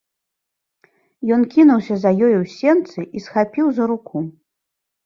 Ён кінуўся за ёю ў сенцы і схапіў за руку.